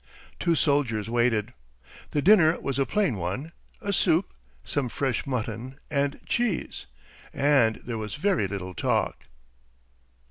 Two soldiers waited. The dinner was a plain one a soup, some fresh mutton, and cheese and there was very little talk.